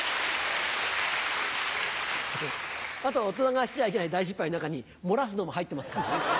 あと大人がしちゃいけない大失敗の中に漏らすのも入ってますから。